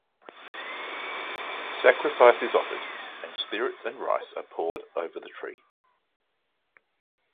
Sacrifice is offered, and spirits and rice are poured over the tree.